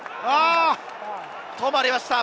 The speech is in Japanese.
止まりました。